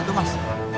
sini tuh mas